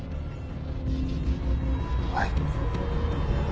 はい。